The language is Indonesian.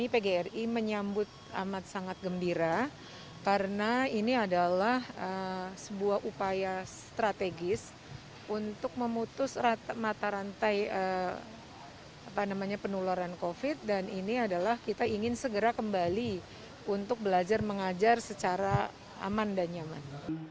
pgiri menyambut amat sangat gembira karena ini adalah sebuah upaya strategis untuk memutus mata rantai penularan covid sembilan belas dan ini adalah kita ingin segera kembali untuk belajar mengajar secara aman dan nyaman